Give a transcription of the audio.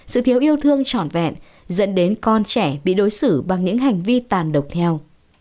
sự thiếu yêu thương trọn vẹn dẫn đến con trẻ bị đối xử bằng những hành vi tàn độc theo